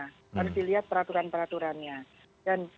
harus dilihat peraturan peraturannya